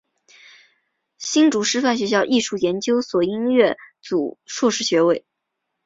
新竹师范学校艺术研究所音乐组硕士学位。